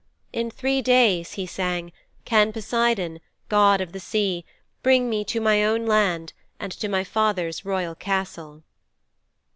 "In three days," he sang, "can Poseidon, God of the Sea, bring me to my own land and to my father's royal castle."'